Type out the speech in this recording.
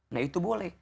nah itu boleh